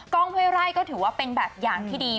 ห้วยไร่ก็ถือว่าเป็นแบบอย่างที่ดี